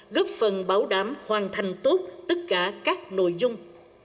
góp phần bảo đảm hoàn thành tốt tất cả các nội dung